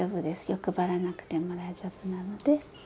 欲張らなくても大丈夫なので。